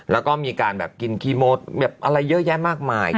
แล้วก็มีการแบบกินคีโมแบบอะไรเยอะแยะมากมาย